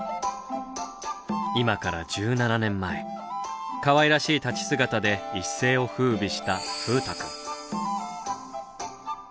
今から１７年前かわいらしい立ち姿で一世をふうびした風太くん。